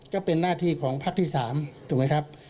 ก็เป็นหน้าที่ของพักที่๓ถูกไหมครับ